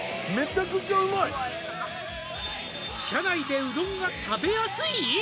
「車内でうどんが食べやすい！？」